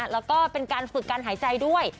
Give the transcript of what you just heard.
แล้วก็เป็นการฝึกการหายใจด้วย